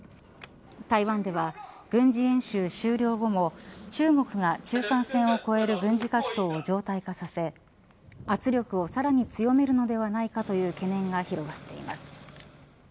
台湾では軍事演習終了後も中国が中間線を越える軍事活動を常態化させ圧力をさらに強めるのではないかという懸念が広がっています。